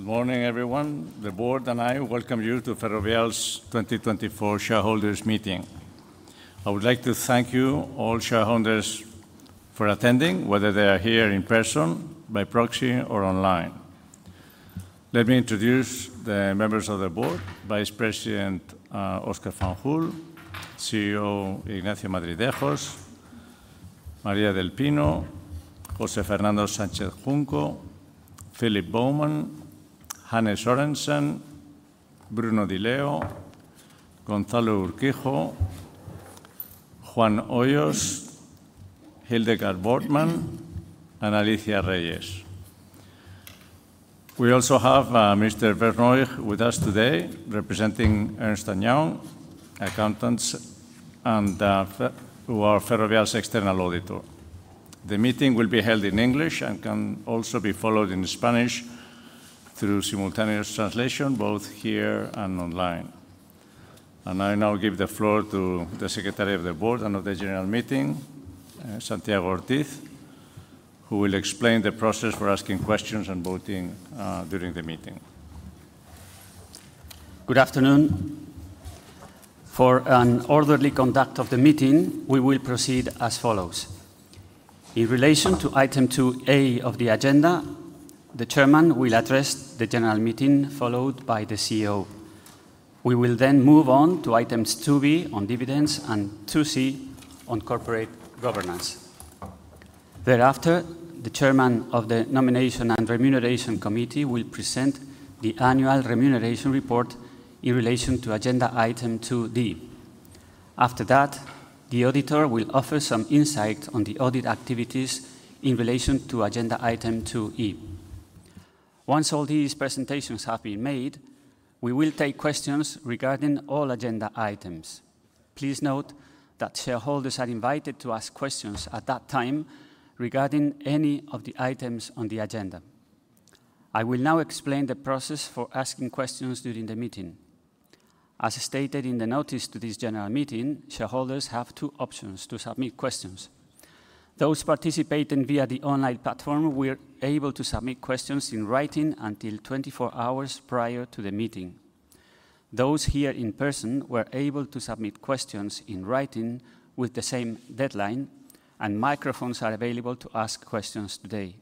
Good morning, everyone. The board and I welcome you to Ferrovial's 2024 shareholders' meeting. I would like to thank you, all shareholders, for attending, whether they are here in person, by proxy, or online. Let me introduce the members of the board: Vice President Óscar Fanjul, CEO Ignacio Madridejos, María del Pino, José Fernando Sánchez-Junco, Philip Bowman, Hanne Sørensen, Bruno Di Leo, Gonzalo Urquijo, Juan Hoyos, Hildegard Wortmann, and Alicia Reyes. We also have Mr. Vernooij with us today, representing Ernst & Young, accountants and who are Ferrovial's external auditor. The meeting will be held in English and can also be followed in Spanish through simultaneous translation, both here and online. I now give the floor to the Secretary of the Board and of the General Meeting, Santiago Ortiz, who will explain the process for asking questions and voting during the meeting. Good afternoon. For an orderly conduct of the meeting, we will proceed as follows. In relation to item 2A of the agenda, the Chairman will address the General Meeting, followed by the CEO. We will then move on to items 2B on dividends and 2C on corporate governance. Thereafter, the Chairman of the Nomination and Remuneration Committee will present the annual remuneration report in relation to agenda item 2D. After that, the auditor will offer some insight on the audit activities in relation to agenda item 2E. Once all these presentations have been made, we will take questions regarding all agenda items. Please note that shareholders are invited to ask questions at that time regarding any of the items on the agenda. I will now explain the process for asking questions during the meeting. As stated in the notice to this General Meeting, shareholders have two options to submit questions. Those participating via the online platform were able to submit questions in writing until 24 hours prior to the meeting. Those here in person were able to submit questions in writing with the same deadline, and microphones are available to ask questions today.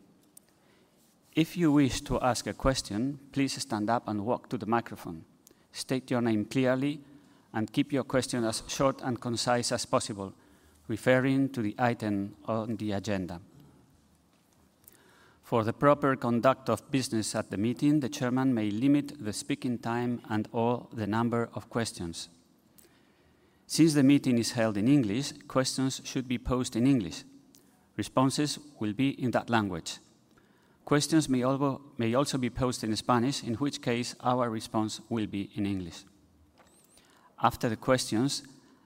If you wish to ask a question, please stand up and walk to the microphone. State your name clearly and keep your question as short and concise as possible, referring to the item on the agenda. For the proper conduct of business at the meeting, the Chairman may limit the speaking time and/or the number of questions. Since the meeting is held in English, questions should be posed in English. Responses will be in that language. Questions may also be posed in Spanish, in which case our response will be in English. After the questions,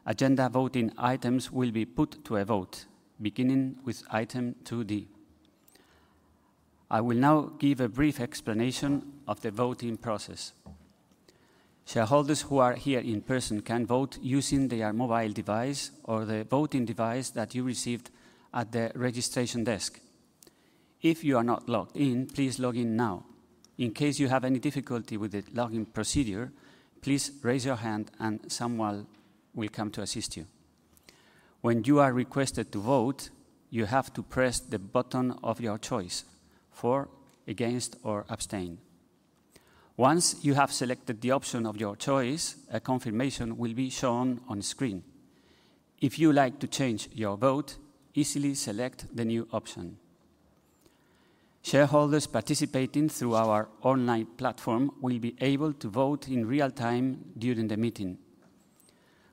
agenda voting items will be put to a vote, beginning with item 2D. I will now give a brief explanation of the voting process. Shareholders who are here in person can vote using their mobile device or the voting device that you received at the registration desk. If you are not logged in, please log in now. In case you have any difficulty with the login procedure, please raise your hand and someone will come to assist you. When you are requested to vote, you have to press the button of your choice: for, against, or abstain. Once you have selected the option of your choice, a confirmation will be shown on screen. If you like to change your vote, easily select the new option. Shareholders participating through our online platform will be able to vote in real time during the meeting.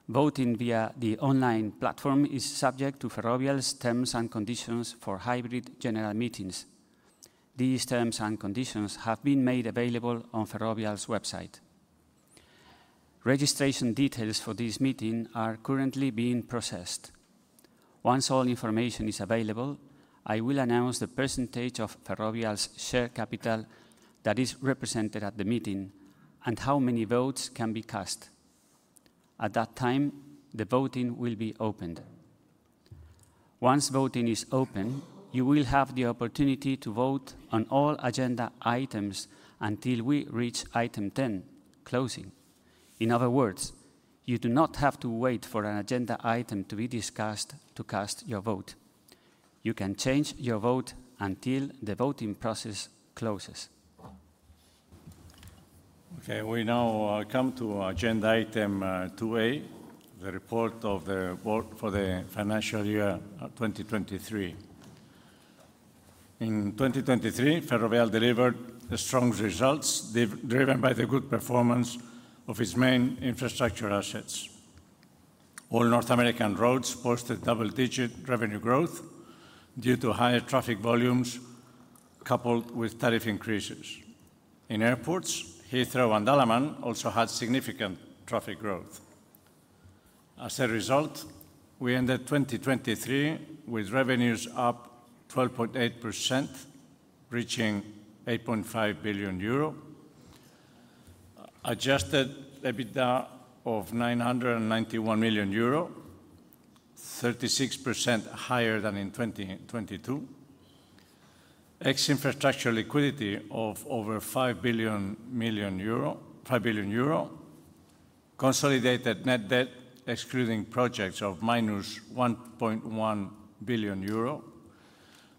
Voting via the online platform is subject to Ferrovial's terms and conditions for hybrid general meetings. These terms and conditions have been made available on Ferrovial's website. Registration details for this meeting are currently being processed. Once all information is available, I will announce the percentage of Ferrovial's share capital that is represented at the meeting and how many votes can be cast. At that time, the voting will be opened. Once voting is open, you will have the opportunity to vote on all agenda items until we reach item 10: closing. In other words, you do not have to wait for an agenda item to be discussed to cast your vote. You can change your vote until the voting process closes. Okay, we now come to agenda item 2A, the report for the financial year 2023. In 2023, Ferrovial delivered strong results driven by the good performance of its main infrastructure assets. All North American roads posted double-digit revenue growth due to higher traffic volumes coupled with tariff increases. In airports, Heathrow and AGS also had significant traffic growth. As a result, we ended 2023 with revenues up 12.8%, reaching 8.5 billion euro, Adjusted EBITDA of 991 million euro, 36% higher than in 2022, ex-infrastructure liquidity of over 5 billion euro, consolidated net debt excluding projects of -1.1 billion euro,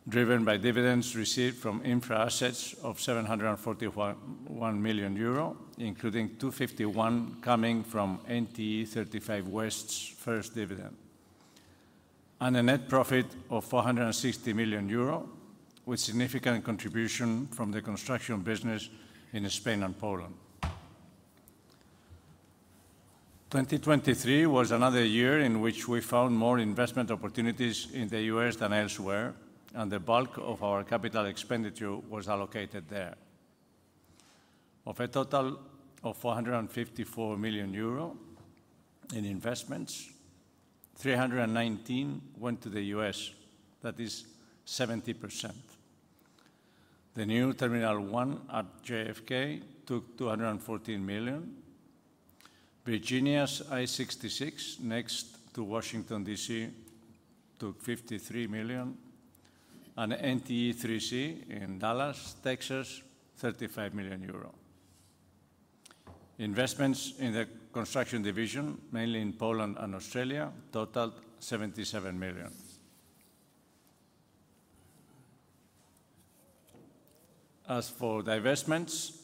driven by dividends received from infra assets of 741 million euro, including 251 million coming from NTE 35W's first dividend, and a net profit of 460 million euro, with significant contribution from the construction business in Spain and Poland. 2023 was another year in which we found more investment opportunities in the U.S. than elsewhere, and the bulk of our capital expenditure was allocated there. Of a total of 454 million euro in investments, 319 went to the U.S., that is 70%. The New Terminal One at JFK took 214 million. Virginia's I-66, next to Washington, D.C., took 53 million, and NTE 3C in Dallas, Texas, 35 million euro. Investments in the construction division, mainly in Poland and Australia, totaled 77 million. As for divestments,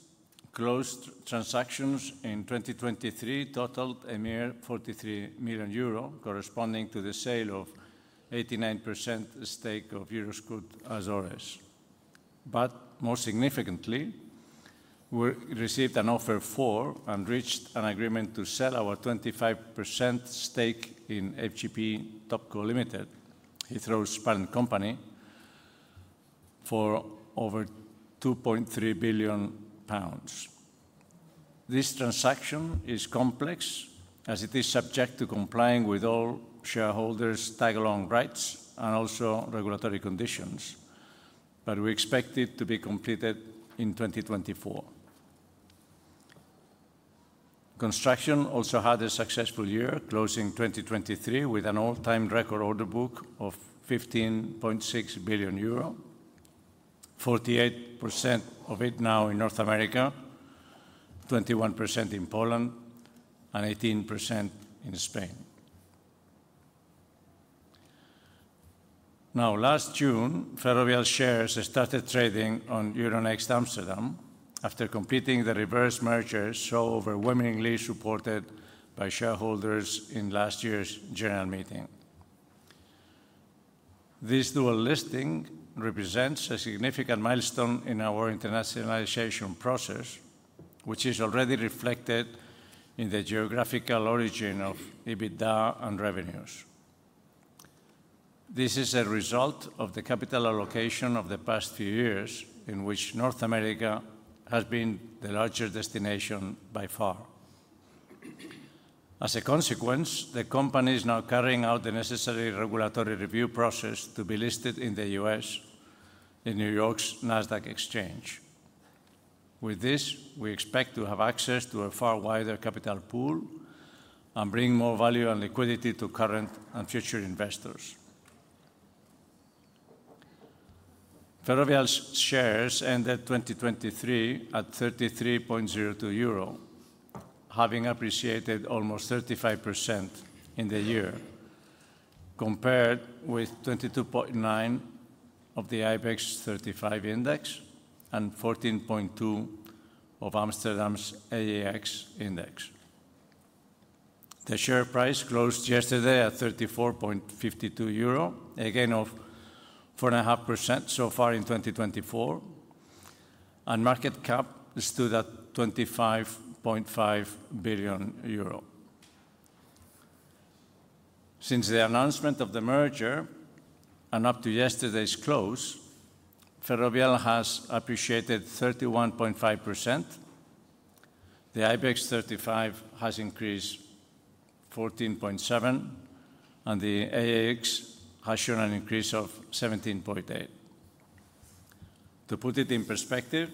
closed transactions in 2023 totaled a mere 43 million euro, corresponding to the sale of 89% stake of Euroscut Azores. But more significantly, we received an offer for and reached an agreement to sell our 25% stake in FGP Topco Limited, Heathrow's parent company, for over 2.3 billion pounds. This transaction is complex as it is subject to complying with all shareholders' tag-along rights and also regulatory conditions, but we expect it to be completed in 2024. Construction also had a successful year, closing 2023 with an all-time record order book of 15.6 billion euro, 48% of it now in North America, 21% in Poland, and 18% in Spain. Now, last June, Ferrovial shares started trading on Euronext Amsterdam after completing the reverse merger so overwhelmingly supported by shareholders in last year's General Meeting. This dual listing represents a significant milestone in our internationalization process, which is already reflected in the geographical origin of EBITDA and revenues. This is a result of the capital allocation of the past few years in which North America has been the larger destination by far. As a consequence, the company is now carrying out the necessary regulatory review process to be listed in the U.S. in New York's Nasdaq. With this, we expect to have access to a far wider capital pool and bring more value and liquidity to current and future investors. Ferrovial's shares ended 2023 at 33.02 euro, having appreciated almost 35% in the year compared with 22.9% of the IBEX 35 index and 14.2% of Amsterdam's AEX index. The share price closed yesterday at 34.52 euro, again of 4.5% so far in 2024, and market cap stood at 25.5 billion euro. Since the announcement of the merger and up to yesterday's close, Ferrovial has appreciated 31.5%. The IBEX 35 has increased 14.7%, and the AEX has shown an increase of 17.8%. To put it in perspective,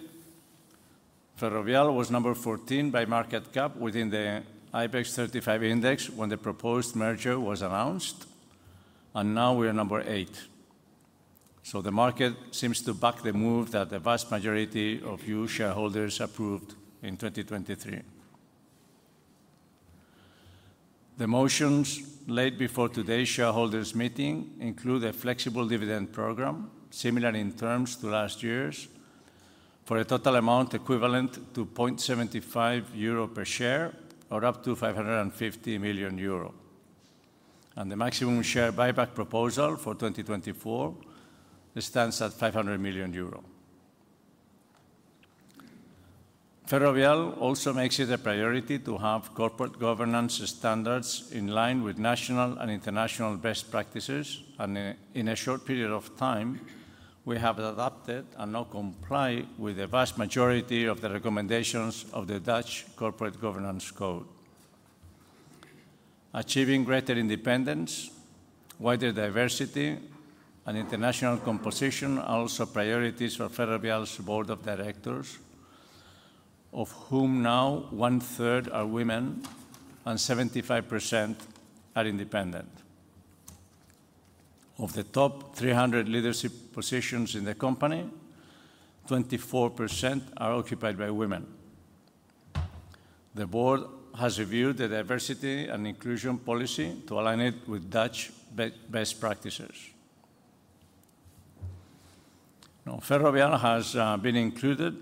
Ferrovial was number 14 by market cap within the IBEX 35 index when the proposed merger was announced, and now we are number eight. So the market seems to back the move that the vast majority of you shareholders approved in 2023. The motions laid before today's shareholders' meeting include a flexible dividend program, similar in terms to last year's, for a total amount equivalent to 0.75 euro per share or up to 550 million euro. The maximum share buyback proposal for 2024 stands at EUR 500 million. Ferrovial also makes it a priority to have corporate governance standards in line with national and international best practices, and in a short period of time, we have adopted and now comply with the vast majority of the recommendations of the Dutch Corporate Governance Code. Achieving greater independence, wider diversity, and international composition are also priorities for Ferrovial's Board of Directors, of whom now one-third are women and 75% are independent. Of the top 300 leadership positions in the company, 24% are occupied by women. The Board has reviewed the diversity and inclusion policy to align it with Dutch best practices. Now, Ferrovial has been included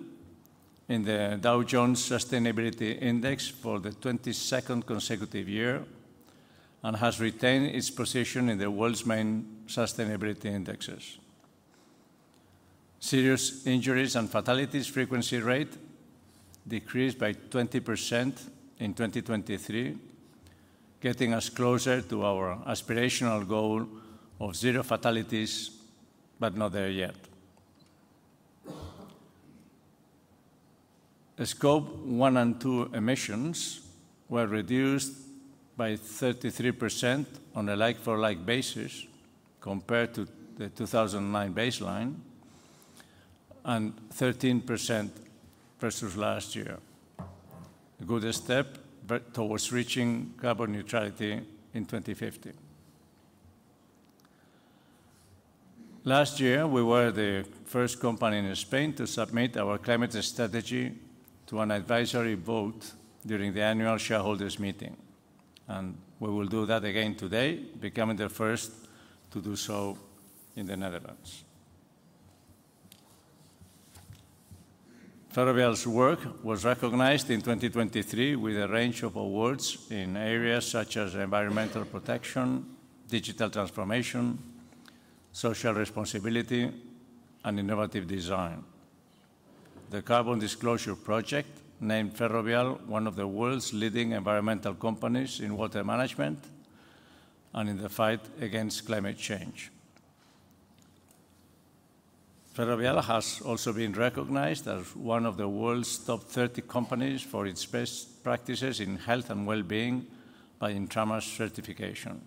in the Dow Jones Sustainability Index for the 22nd consecutive year and has retained its position in the world's main sustainability indexes. Serious Injuries and Fatalities frequency rate decreased by 20% in 2023, getting us closer to our aspirational goal of zero fatalities, but not there yet. Scope one and two emissions were reduced by 33% on a like-for-like basis compared to the 2009 baseline and 13% versus last year, a good step towards reaching carbon neutrality in 2050. Last year, we were the first company in Spain to submit our climate strategy to an advisory vote during the annual shareholders' meeting, and we will do that again today, becoming the first to do so in the Netherlands. Ferrovial's work was recognized in 2023 with a range of awards in areas such as environmental protection, digital transformation, social responsibility, and innovative design. The Carbon Disclosure Project named Ferrovial one of the world's leading environmental companies in water management and in the fight against climate change. Ferrovial has also been recognized as one of the world's top 30 companies for its best practices in health and well-being by Intrama certification,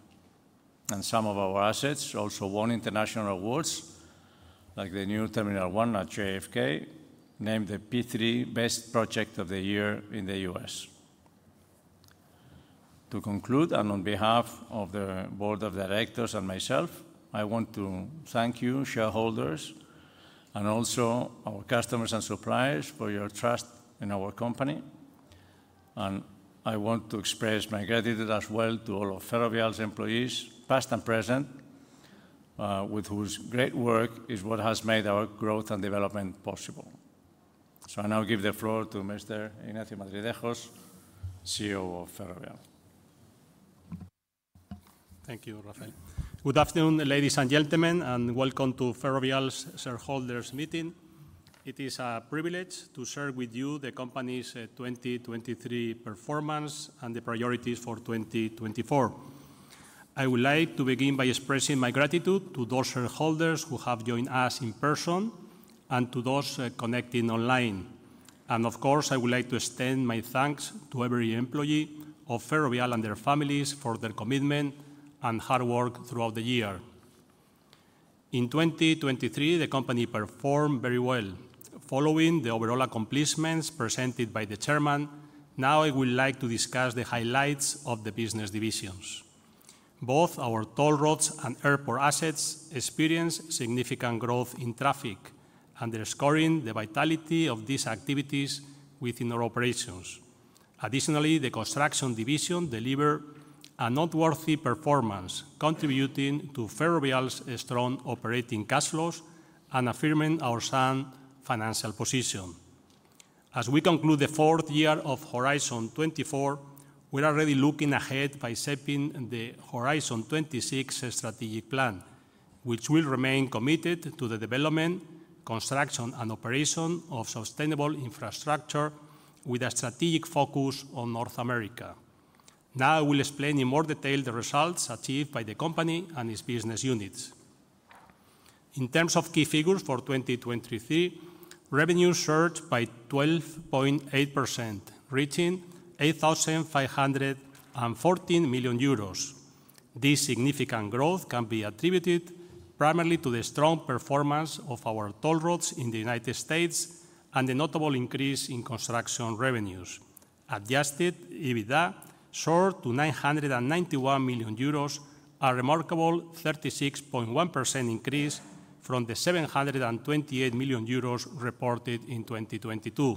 and some of our assets also won international awards like the New Terminal one at JFK named the P3 Best Project of the Year in the U.S. To conclude, and on behalf of the Board of Directors and myself, I want to thank you, shareholders, and also our customers and suppliers for your trust in our company. I want to express my gratitude as well to all of Ferrovial's employees, past and present, with whose great work is what has made our growth and development possible. I now give the floor to Mr. Ignacio Madridejos, CEO of Ferrovial. Thank you, Rafael. Good afternoon, ladies and gentlemen, and welcome to Ferrovial's shareholders' meeting. It is a privilege to share with you the company's 2023 performance and the priorities for 2024. I would like to begin by expressing my gratitude to those shareholders who have joined us in person and to those connecting online. And of course, I would like to extend my thanks to every employee of Ferrovial and their families for their commitment and hard work throughout the year. In 2023, the company performed very well. Following the overall accomplishments presented by the Chairman, now I would like to discuss the highlights of the business divisions. Both our toll roads and airport assets experienced significant growth in traffic, underscoring the vitality of these activities within our operations. Additionally, the construction division delivered an outstanding performance, contributing to Ferrovial's strong operating cash flows and affirming our sound financial position. As we conclude the fourth year of Horizon 24, we are already looking ahead by shaping the Horizon 26 strategic plan, which will remain committed to the development, construction, and operation of sustainable infrastructure with a strategic focus on North America. Now I will explain in more detail the results achieved by the company and its business units. In terms of key figures for 2023, revenues surged by 12.8%, reaching 8,514 million euros. This significant growth can be attributed primarily to the strong performance of our toll roads in the United States and the notable increase in construction revenues. Adjusted EBITDA soared to 991 million euros, a remarkable 36.1% increase from the 728 million euros reported in 2022.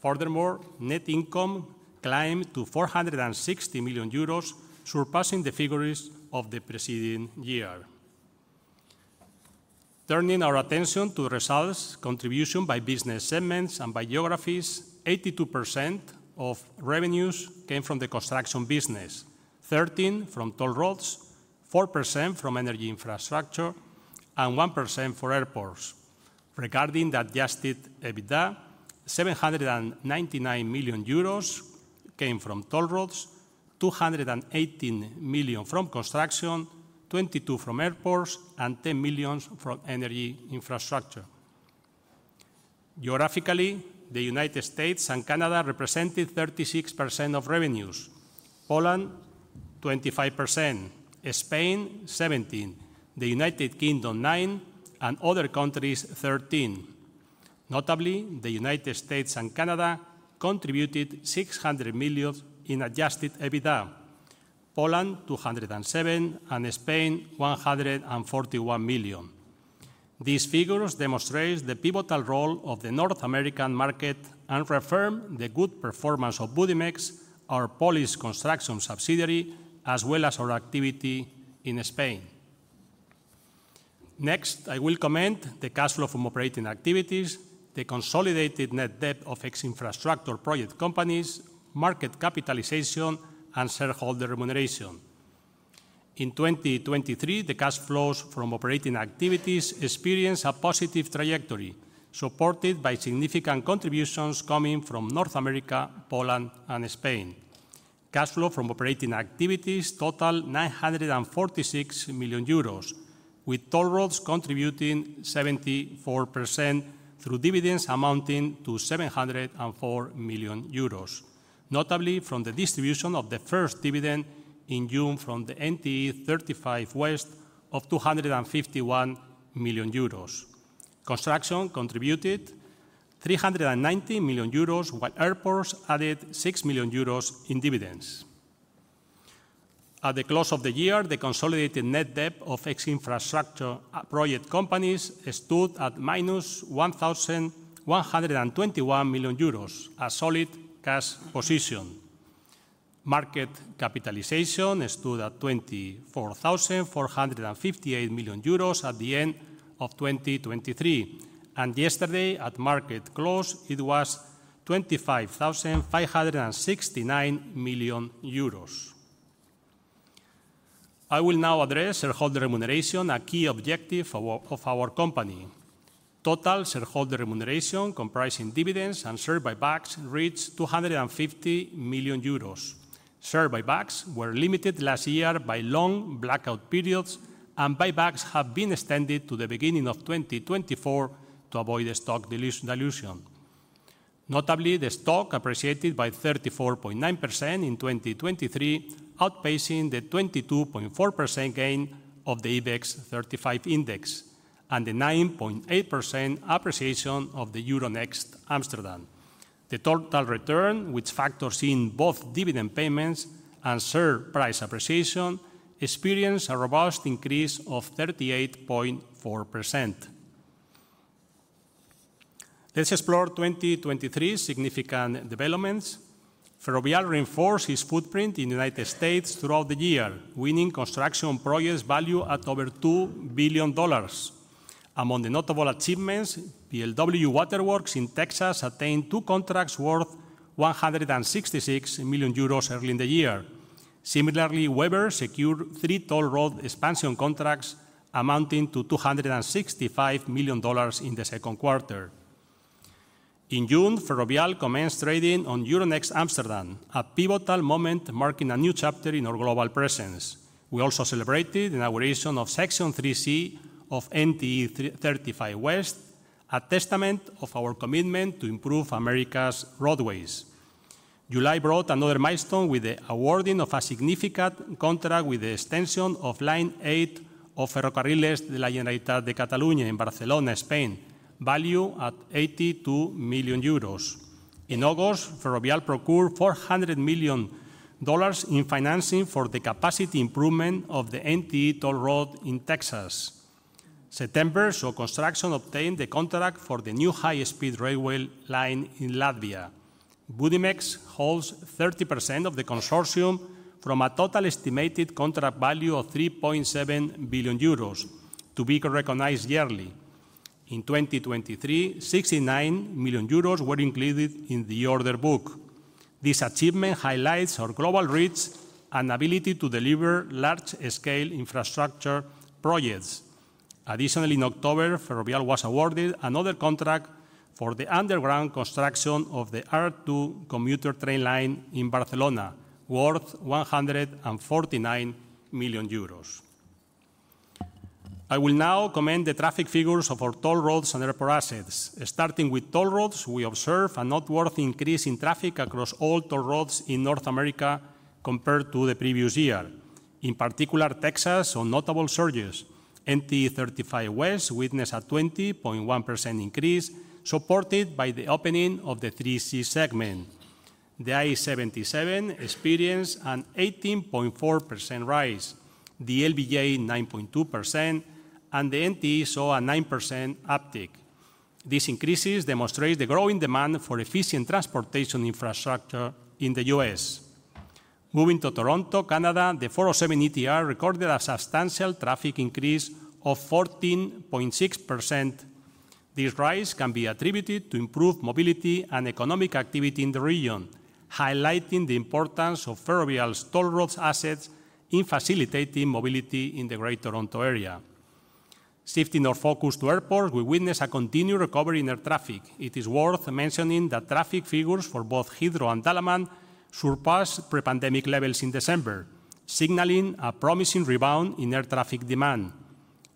Furthermore, net income climbed to 460 million euros, surpassing the figures of the preceding year. Turning our attention to results, contribution by business segments and by geographies, 82% of revenues came from the construction business, 13% from toll roads, 4% from energy infrastructure, and 1% from airports. Regarding the Adjusted EBITDA, 799 million euros came from toll roads, 218 million from construction, 22 million from airports, and 10 million from energy infrastructure. Geographically, the United States and Canada represented 36% of revenues, Poland 25%, Spain 17%, the United Kingdom 9%, and other countries 13%. Notably, the United States and Canada contributed 600 million in Adjusted EBITDA, Poland 207 million and Spain 141 million. These figures demonstrate the pivotal role of the North American market and reaffirm the good performance of Budimex, our Polish construction subsidiary, as well as our activity in Spain. Next, I will comment on the cash flow from operating activities, the consolidated net debt of ex-infrastructure project companies, market capitalization, and shareholder remuneration. In 2023, the cash flows from operating activities experienced a positive trajectory, supported by significant contributions coming from North America, Poland, and Spain. Cash flow from operating activities totaled 946 million euros, with toll roads contributing 74% through dividends amounting to 704 million euros, notably from the distribution of the first dividend in June from the NTE 35W of 251 million euros. Construction contributed 390 million euros, while airports added 6 million euros in dividends. At the close of the year, the consolidated net debt of ex-infrastructure project companies stood at -1,121 million euros as a solid cash position. Market capitalization stood at 24,458 million euros at the end of 2023, and yesterday, at market close, it was 25,569 million euros. I will now address shareholder remuneration, a key objective of our company. Total shareholder remuneration comprising dividends and share buybacks reached 250 million euros. Share buybacks were limited last year by long blackout periods, and buybacks have been extended to the beginning of 2024 to avoid stock dilution. Notably, the stock appreciated by 34.9% in 2023, outpacing the 22.4% gain of the IBEX 35 index and the 9.8% appreciation of the Euronext Amsterdam. The total return, which factors in both dividend payments and share price appreciation, experienced a robust increase of 38.4%. Let's explore 2023's significant developments. Ferrovial reinforced its footprint in the United States throughout the year, winning construction projects' value at over $2 billion. Among the notable achievements, PLW Waterworks in Texas attained two contracts worth €166 million early in the year. Similarly, Webber secured three toll road expansion contracts amounting to $265 million in the second quarter. In June, Ferrovial commenced trading on Euronext Amsterdam, a pivotal moment marking a new chapter in our global presence. We also celebrated the inauguration of Section 3C of NTE 35 West, a testament to our commitment to improve America's roadways. July brought another milestone with the awarding of a significant contract with the extension of Line 8 of Ferrocarrils de la Generalitat de Catalunya in Barcelona, Spain, valued at 82 million euros. In August, Ferrovial procured $400 million in financing for the capacity improvement of the NTE toll road in Texas. September saw construction obtain the contract for the new high-speed railway line in Latvia. Budimex holds 30% of the consortium from a total estimated contract value of 3.7 billion euros to be recognized yearly. In 2023, 69 million euros were included in the order book. This achievement highlights our global reach and ability to deliver large-scale infrastructure projects. Additionally, in October, Ferrovial was awarded another contract for the underground construction of the R2 commuter train line in Barcelona, worth 149 million euros. I will now comment on the traffic figures of our toll roads and airport assets. Starting with toll roads, we observe a noteworthy increase in traffic across all toll roads in North America compared to the previous year. In particular, Texas saw notable surges. NTE 35W witnessed a 20.1% increase, supported by the opening of the 3C segment. The I-77 experienced an 18.4% rise, the LBJ 9.2%, and the NTE saw a 9% uptick. This increase demonstrates the growing demand for efficient transportation infrastructure in the U.S. Moving to Toronto, Canada, the 407 ETR recorded a substantial traffic increase of 14.6%. This rise can be attributed to improved mobility and economic activity in the region, highlighting the importance of Ferrovial's toll roads assets in facilitating mobility in the great Toronto area. Shifting our focus to airports, we witness a continued recovery in air traffic. It is worth mentioning that traffic figures for both Heathrow and Dalaman surpassed pre-pandemic levels in December, signaling a promising rebound in air traffic demand.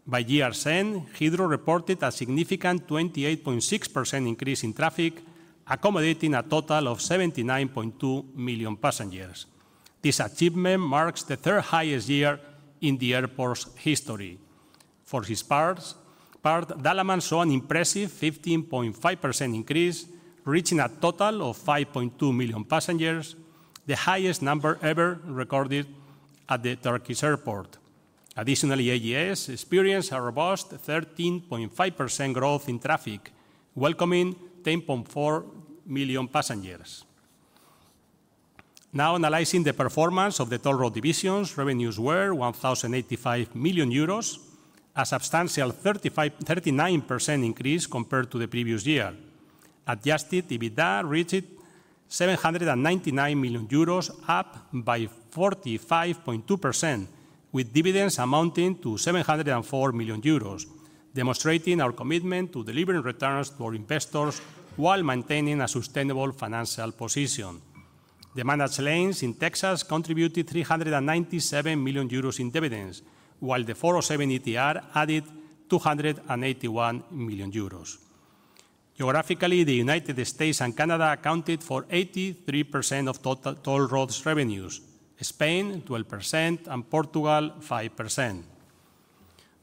By year's end, Heathrow reported a significant 28.6% increase in traffic, accommodating a total of 79.2 million passengers. This achievement marks the third highest year in the airport's history. For its part, Dalaman saw an impressive 15.5% increase, reaching a total of 5.2 million passengers, the highest number ever recorded at the Turkish airport. Additionally, AGS experienced a robust 13.5% growth in traffic, welcoming 10.4 million passengers. Now, analyzing the performance of the toll road divisions, revenues were 1,085 million euros, a substantial 39% increase compared to the previous year. Adjusted EBITDA reached 799 million euros, up by 45.2%, with dividends amounting to 704 million euros, demonstrating our commitment to delivering returns to our investors while maintaining a sustainable financial position. Managed lanes in Texas contributed 397 million euros in dividends, while the 407 ETR added 281 million euros. Geographically, the United States and Canada accounted for 83% of total toll roads revenues, Spain 12% and Portugal 5%.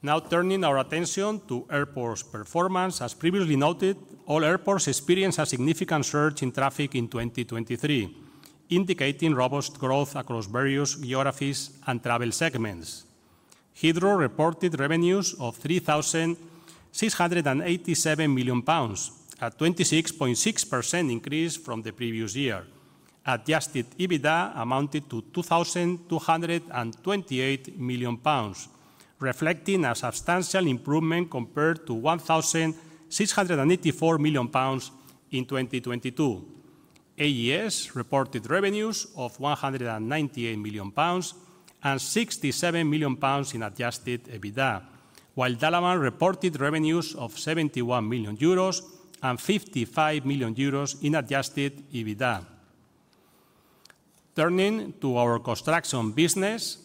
Now, turning our attention to airports' performance. As previously noted, all airports experienced a significant surge in traffic in 2023, indicating robust growth across various geographies and travel segments. Heathrow reported revenues of 3,687 million pounds, a 26.6% increase from the previous year. Adjusted EBITDA amounted to 2,228 million pounds, reflecting a substantial improvement compared to 1,684 million pounds in 2022. AGS reported revenues of 198 million pounds and 67 million pounds in Adjusted EBITDA, while Dalaman reported revenues of 71 million euros and 55 million euros in adjusted EBITDA. Turning to our construction business,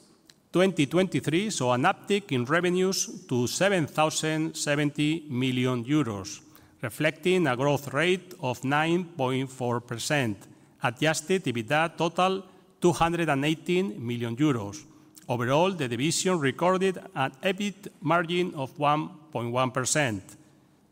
2023 saw an uptick in revenues to 7,070 million euros, reflecting a growth rate of 9.4%. Adjusted EBITDA totaled 218 million euros. Overall, the division recorded an EBIT margin of 1.1%.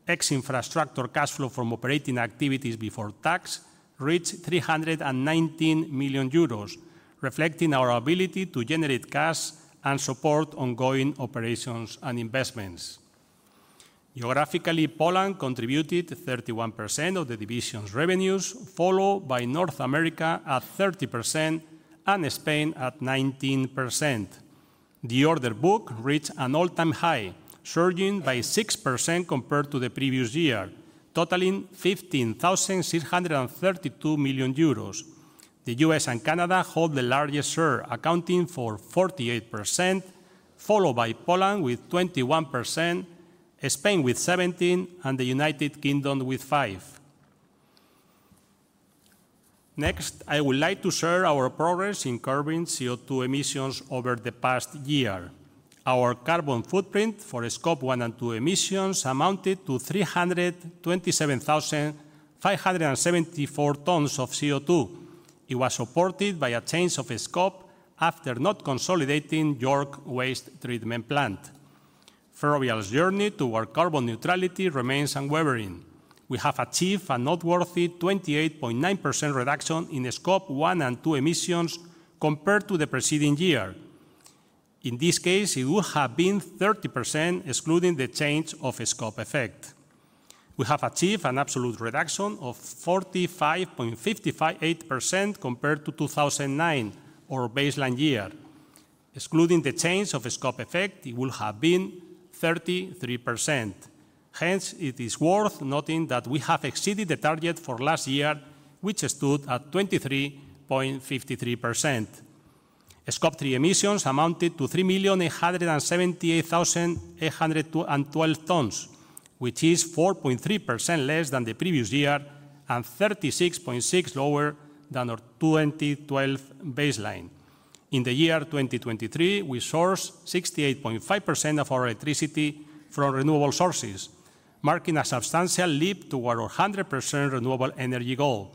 Ex-infrastructure cash flow from operating activities before tax reached 319 million euros, reflecting our ability to generate cash and support ongoing operations and investments. Geographically, Poland contributed 31% of the division's revenues, followed by North America at 30% and Spain at 19%. The order book reached an all-time high, surging by 6% compared to the previous year, totaling 15,632 million euros. The U.S. and Canada hold the largest share, accounting for 48%, followed by Poland with 21%, Spain with 17%, and the United Kingdom with 5%. Next, I would like to share our progress in curbing CO2 emissions over the past year. Our carbon footprint for scope one and two emissions amounted to 327,574 tons of CO2. It was supported by a change of scope after not consolidating York Waste Treatment Plant. Ferrovial's journey toward carbon neutrality remains unwavering. We have achieved a noteworthy 28.9% reduction in scope one and two emissions compared to the preceding year. In this case, it would have been 30% excluding the change of scope effect. We have achieved an absolute reduction of 45.558% compared to 2009, our baseline year. Excluding the change of scope effect, it would have been 33%. Hence, it is worth noting that we have exceeded the target for last year, which stood at 23.53%. Scope three emissions amounted to 3,878,812 tons, which is 4.3% less than the previous year and 36.6% lower than our 2012 baseline. In the year 2023, we sourced 68.5% of our electricity from renewable sources, marking a substantial leap toward our 100% renewable energy goal.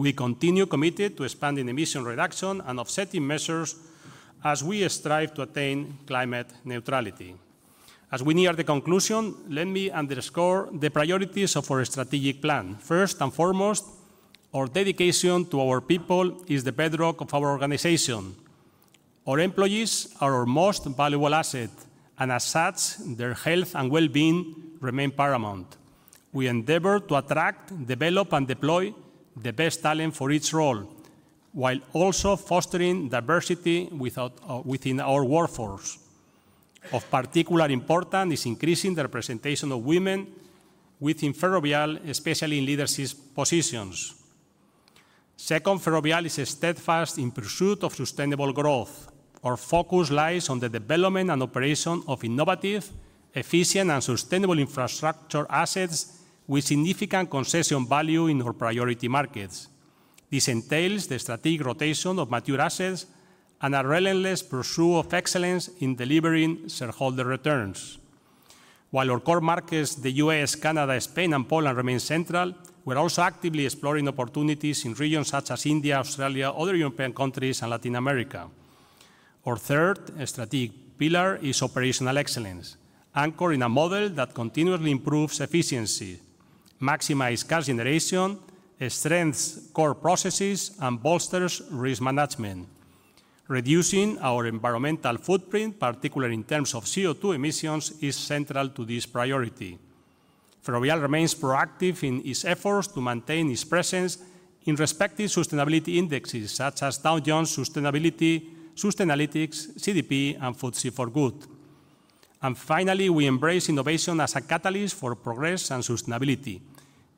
We continue committed to expanding emission reduction and offsetting measures as we strive to attain climate neutrality. As we near the conclusion, let me underscore the priorities of our strategic plan. First and foremost, our dedication to our people is the bedrock of our organization. Our employees are our most valuable asset, and as such, their health and well-being remain paramount. We endeavor to attract, develop, and deploy the best talent for each role, while also fostering diversity within our workforce. Of particular importance is increasing the representation of women within Ferrovial, especially in leadership positions. Second, Ferrovial is steadfast in pursuit of sustainable growth. Our focus lies on the development and operation of innovative, efficient, and sustainable infrastructure assets with significant concession value in our priority markets. This entails the strategic rotation of mature assets and a relentless pursuit of excellence in delivering shareholder returns. While our core markets, the U.S., Canada, Spain, and Poland, remain central, we're also actively exploring opportunities in regions such as India, Australia, other European countries, and Latin America. Our third strategic pillar is operational excellence, anchored in a model that continuously improves efficiency, maximizes cash generation, strengthens core processes, and bolsters risk management. Reducing our environmental footprint, particularly in terms of CO2 emissions, is central to this priority. Ferrovial remains proactive in its efforts to maintain its presence in respective sustainability indexes such as Dow Jones Sustainability, Sustainalytics, CDP, and FTSE4Good. And finally, we embrace innovation as a catalyst for progress and sustainability.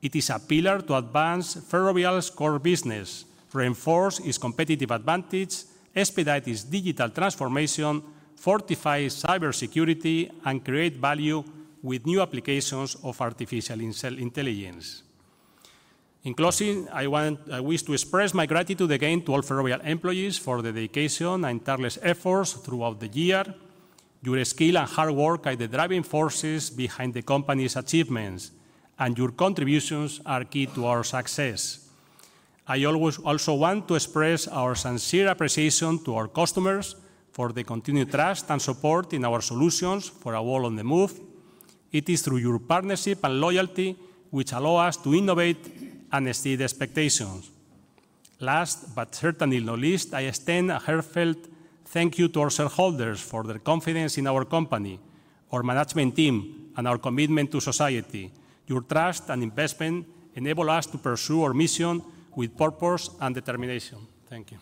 It is a pillar to advance Ferrovial's core business, reinforce its competitive advantage, expedite its digital transformation, fortify cybersecurity, and create value with new applications of artificial intelligence. In closing, I wish to express my gratitude again to all Ferrovial employees for the dedication and tireless efforts throughout the year. Your skill and hard work are the driving forces behind the company's achievements, and your contributions are key to our success. I also want to express our sincere appreciation to our customers for the continued trust and support in our solutions for our world on the move. It is through your partnership and loyalty which allow us to innovate and exceed expectations. Last but certainly not least, I extend a heartfelt thank you to our shareholders for their confidence in our company, our management team, and our commitment to society. Your trust and investment enable us to pursue our mission with purpose and determination. Thank you.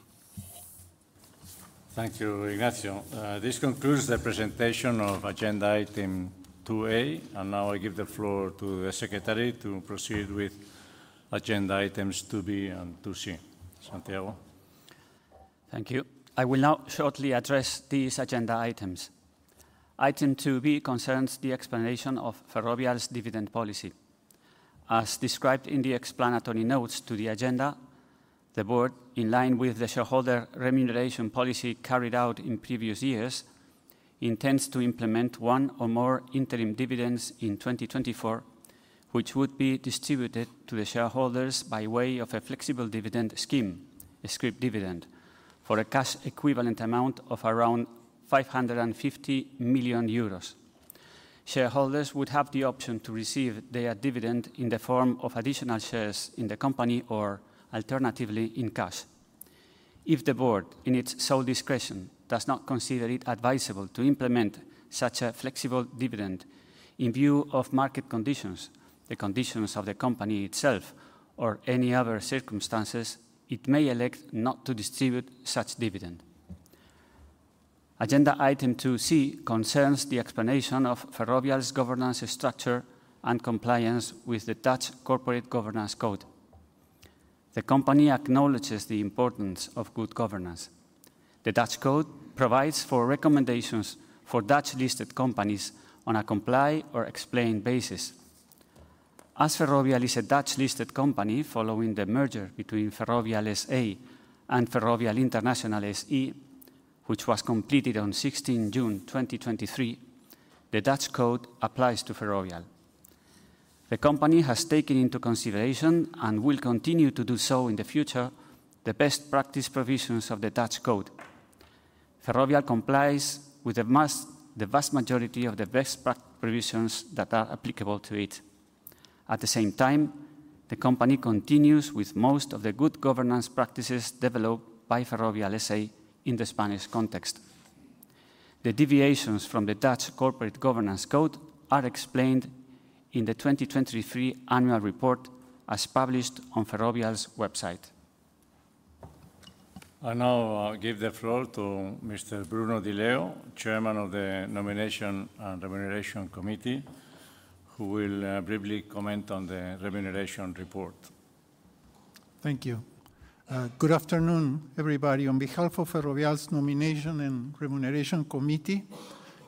Thank you, Ignacio. This concludes the presentation of agenda item 2A, and now I give the floor to the secretary to proceed with agenda items 2B and 2C. Santiago. Thank you. I will now shortly address these agenda items. Item 2B concerns the explanation of Ferrovial's dividend policy. As described in the explanatory notes to the agenda, the board, in line with the shareholder remuneration policy carried out in previous years, intends to implement one or more interim dividends in 2024, which would be distributed to the shareholders by way of a flexible dividend scheme, a scrip dividend, for a cash equivalent amount of around 550 million euros. Shareholders would have the option to receive their dividend in the form of additional shares in the company or alternatively in cash. If the board, in its sole discretion, does not consider it advisable to implement such a flexible dividend in view of market conditions, the conditions of the company itself, or any other circumstances, it may elect not to distribute such dividend. Agenda item 2C concerns the explanation of Ferrovial's governance structure and compliance with the Dutch Corporate Governance Code. The company acknowledges the importance of good governance. The Dutch code provides for recommendations for Dutch-listed companies on a comply or explain basis. As Ferrovial is a Dutch-listed company following the merger between Ferrovial S.A. and Ferrovial International S.E., which was completed on June 16 2023, the Dutch code applies to Ferrovial. The company has taken into consideration and will continue to do so in the future the best practice provisions of the Dutch code. Ferrovial complies with the vast majority of the best practice provisions that are applicable to it. At the same time, the company continues with most of the good governance practices developed by Ferrovial S.A. in the Spanish context. The deviations from the Dutch Corporate Governance Code are explained in the 2023 annual report as published on Ferrovial's website. I now give the floor to Mr. Bruno Di Leo, Chairman of the Nomination and Remuneration Committee, who will briefly comment on the remuneration report. Thank you. Good afternoon, everybody. On behalf of Ferrovial's Nomination and Remuneration Committee,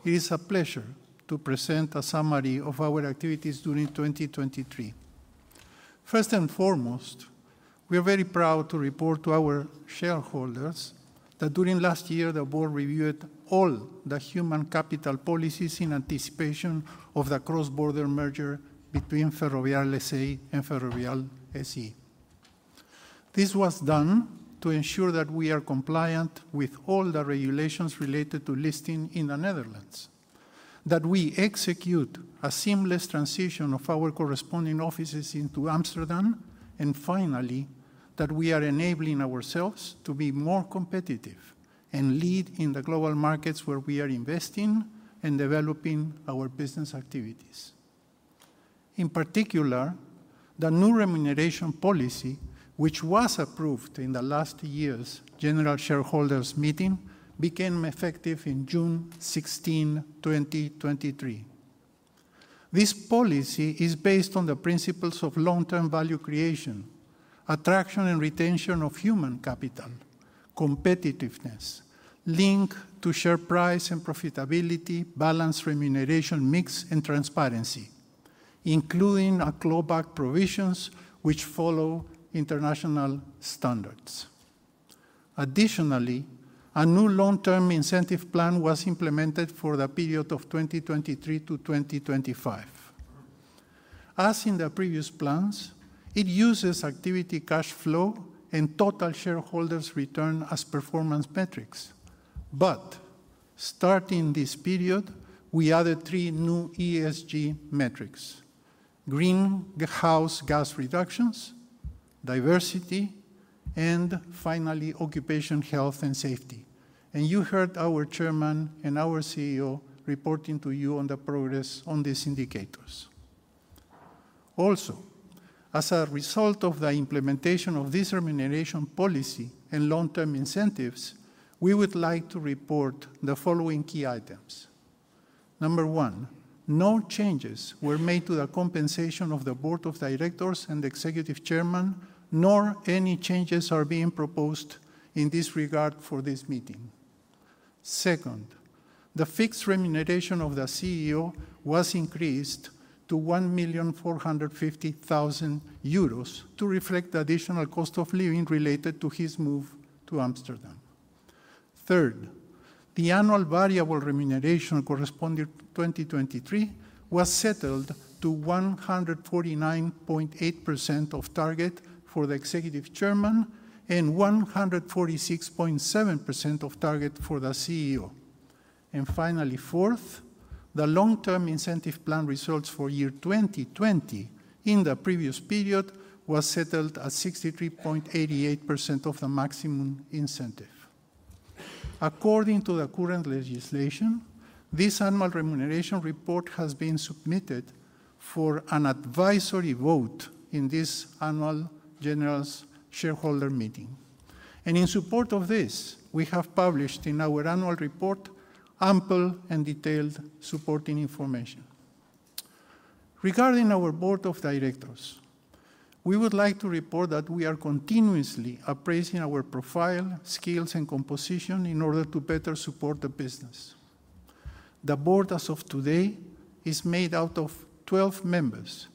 it is a pleasure to present a summary of our activities during 2023. First and foremost, we are very proud to report to our shareholders that during last year, the board reviewed all the human capital policies in anticipation of the cross-border merger between Ferrovial S.A. and Ferrovial S.E. This was done to ensure that we are compliant with all the regulations related to listing in the Netherlands, that we execute a seamless transition of our corresponding offices into Amsterdam, and finally, that we are enabling ourselves to be more competitive and lead in the global markets where we are investing and developing our business activities. In particular, the new remuneration policy, which was approved in the last year's General Shareholders' Meeting, became effective on June 16, 2023. This policy is based on the principles of long-term value creation, attraction and retention of human capital, competitiveness, link to share price and profitability, balanced remuneration mix, and transparency, including a clawback provision which follows international standards. Additionally, a new long-term incentive plan was implemented for the period of 2023-2025. As in the previous plans, it uses activity cash flow and total shareholder return as performance metrics. But starting this period, we added three new ESG metrics: greenhouse gas reductions, diversity, and finally, occupational health and safety. And you heard our Chairman and our CEO reporting to you on the progress on these indicators. Also, as a result of the implementation of this remuneration policy and long-term incentives, we would like to report the following key items. one, no changes were made to the compensation of the board of directors and the executive chairman, nor any changes are being proposed in this regard for this meeting. Second, the fixed remuneration of the CEO was increased to 1,450,000 euros to reflect the additional cost of living related to his move to Amsterdam. Third, the annual variable remuneration corresponding to 2023 was settled to 149.8% of target for the executive chairman and 146.7% of target for the CEO. And finally, fourth, the long-term incentive plan results for year 2020 in the previous period was settled at 63.88% of the maximum incentive. According to the current legislation, this annual remuneration report has been submitted for an advisory vote in this annual General Shareholders' Meeting. In support of this, we have published in our annual report ample and detailed supporting information. Regarding our board of directors, we would like to report that we are continuously appraising our profile, skills, and composition in order to better support the business. The board, as of today, is made out of 12 members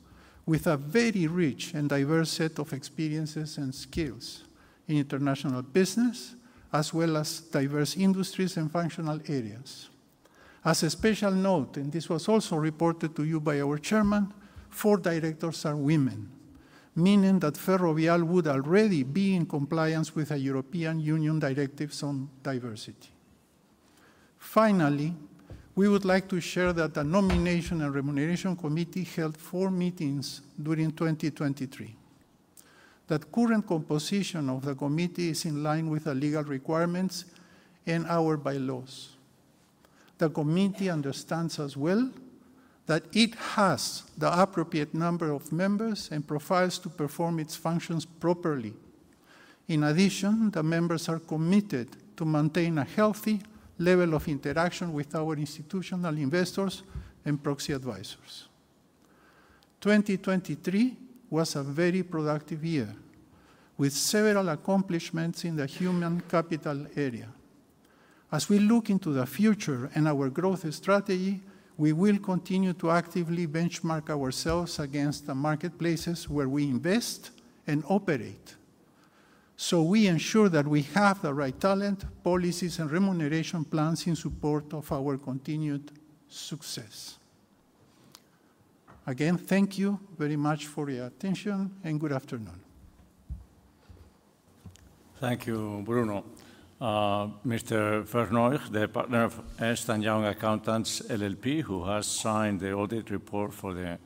with a very rich and diverse set of experiences and skills in international business as well as diverse industries and functional areas. As a special note, and this was also reported to you by our chairman, four directors are women, meaning that Ferrovial would already be in compliance with the European Union directives on diversity. Finally, we would like to share that the Nomination and Remuneration Committee held fourmeetings during 2023, that current composition of the committee is in line with the legal requirements and our bylaws. The committee understands as well that it has the appropriate number of members and profiles to perform its functions properly. In addition, the members are committed to maintain a healthy level of interaction with our institutional investors and proxy advisors. 2023 was a very productive year with several accomplishments in the human capital area. As we look into the future and our growth strategy, we will continue to actively benchmark ourselves against the marketplaces where we invest and operate so we ensure that we have the right talent, policies, and remuneration plans in support of our continued success. Again, thank you very much for your attention and good afternoon. Thank you, Bruno. Mr. Vernooij, the partner of Ernst & Young Accountants LLP, who has signed the audit report for the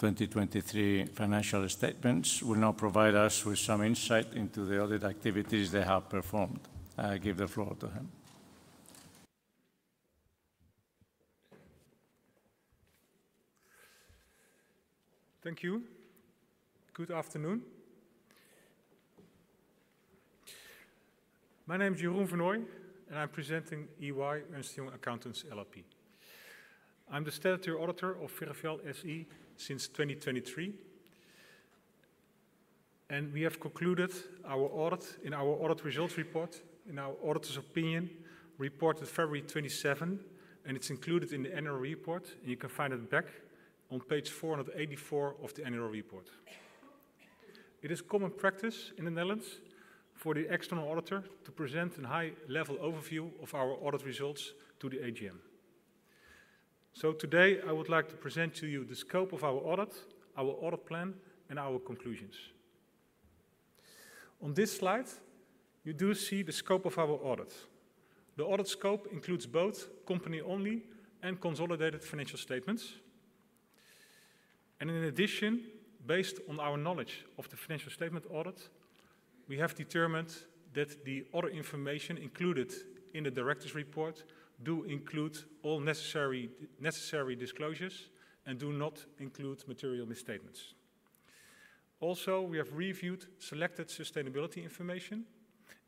2023 financial statements, will now provide us with some insight into the audit activities they have performed. I give the floor to him. Thank you. Good afternoon. My name is Jeroen Vernooij, and I'm presenting EY, Ernst & Young Accountants LLP. I'm the statutory auditor of Ferrovial S.E. since 2023, and we have concluded our audit in our audit results report, in our auditor's opinion, reported February 27, and it's included in the annual report, and you can find it back on page 484 of the annual report. It is common practice in the Netherlands for the external auditor to present a high-level overview of our audit results to the AGM. So today, I would like to present to you the scope of our audit, our audit plan, and our conclusions. On this slide, you do see the scope of our audit. The audit scope includes both company-only and consolidated financial statements. In addition, based on our knowledge of the financial statement audit, we have determined that the audit information included in the directors' report does include all necessary disclosures and does not include material misstatements. Also, we have reviewed selected sustainability information,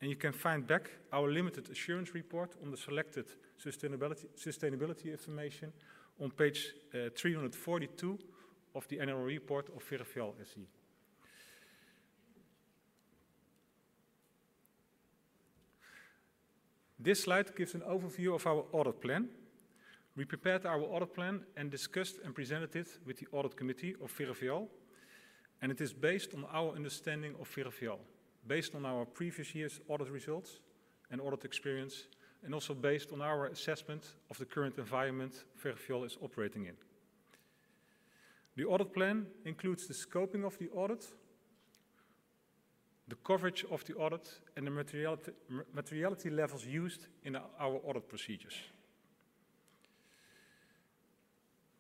and you can find back our limited assurance report on the selected sustainability information on page 342 of the annual report of Ferrovial SE. This slide gives an overview of our audit plan. We prepared our audit plan and discussed and presented it with the audit committee of Ferrovial, and it is based on our understanding of Ferrovial, based on our previous year's audit results and audit experience, and also based on our assessment of the current environment Ferrovial is operating in. The audit plan includes the scoping of the audit, the coverage of the audit, and the materiality levels used in our audit procedures.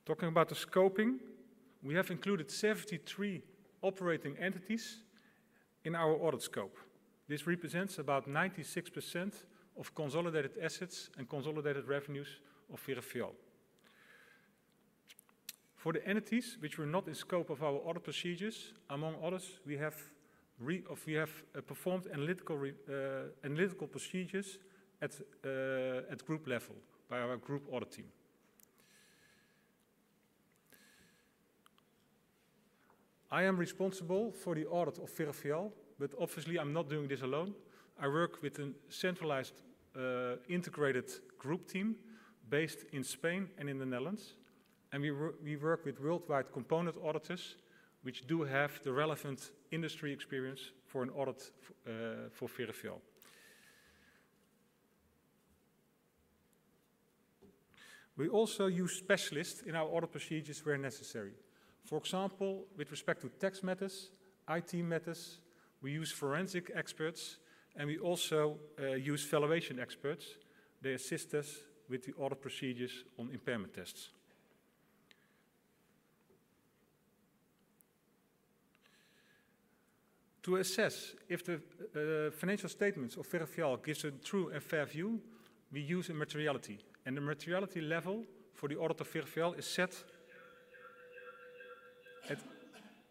Talking about the scoping, we have included 73 operating entities in our audit scope. This represents about 96% of consolidated assets and consolidated revenues of Ferrovial. For the entities which were not in scope of our audit procedures, among others, we have performed analytical procedures at group level by our group audit team. I am responsible for the audit of Ferrovial, but obviously, I'm not doing this alone. I work with a centralized integrated group team based in Spain and in the Netherlands, and we work with worldwide component auditors which do have the relevant industry experience for an audit for Ferrovial. We also use specialists in our audit procedures where necessary. For example, with respect to tax matters, IT matters, we use forensic experts, and we also use valuation experts. They assist us with the audit procedures on impairment tests. To assess if the financial statements of Ferrovial give a true and fair view, we use a materiality, and the materiality level for the audit of Ferrovial is set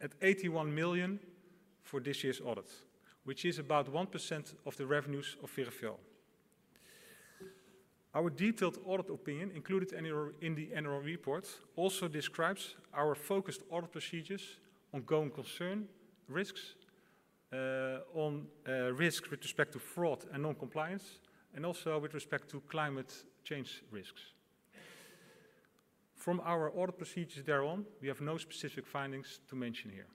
at 81 million for this year's audit, which is about 1% of the revenues of Ferrovial. Our detailed audit opinion, included in the annual report, also describes our focused audit procedures on going concern risks, on risk with respect to fraud and non-compliance, and also with respect to climate change risks. From our audit procedures thereon, we have no specific findings to mention here.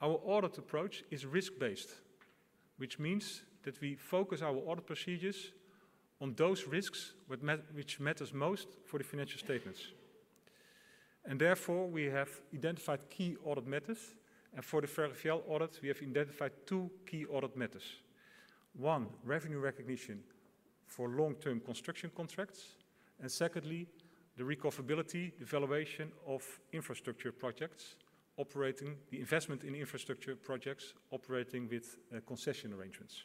Our audit approach is risk-based, which means that we focus our audit procedures on those risks which matter most for the financial statements. Therefore, we have identified key audit matters, and for the Ferrovial audit, we have identified two key audit matters. One, revenue recognition for long-term construction contracts, and secondly, the recoverability, the valuation of infrastructure projects operating the investment in infrastructure projects operating with concession arrangements.